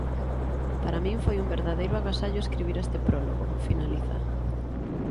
Para min foi un verdadeiro agasallo escribir este prólogo, finaliza.